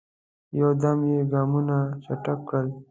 یو دم یې ګامونه چټک کړل.